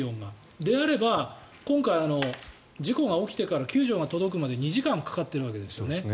であれば、今回事故が起きてから救助が届くまで２時間かかっているわけですよね。